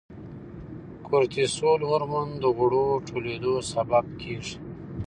کورتیسول هورمون د غوړو ټولېدو سبب کیږي.